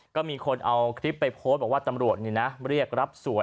ก็มีคนเอาคลิปไปโพสต์บอกว่าตำรวจนี่นะเรียกรับสวย